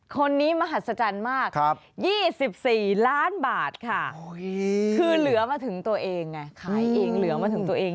คนนี้มหัศจรรย์มาก๒๔ล้านบาทค่ะคือเหลือมาถึงตัวเองไงขายเองเหลือมาถึงตัวเอง